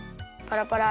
パラパラ。